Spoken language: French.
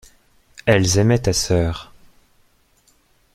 Elles aimaient ta sœur.